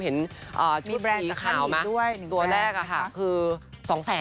เห็นชุดสีขาวมาตัวแรกอะค่ะคือ๒๐๐๐๐๐อ่ะ